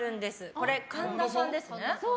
これ、神田さんですね。